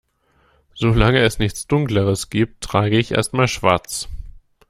Solange es nichts Dunkleres gibt, trage ich erst mal Schwarz.